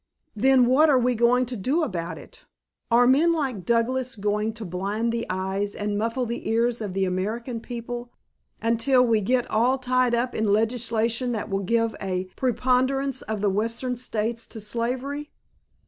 "Then what are we going to do about it? Are men like Douglas going to blind the eyes and muffle the ears of the American people until we get all tied up in legislation that will give a preponderance of the Western States to slavery?"